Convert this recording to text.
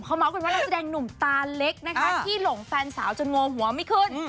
เขาเมาส์กันว่านักแสดงหนุ่มตาเล็กนะคะที่หลงแฟนสาวจนโงหัวไม่ขึ้น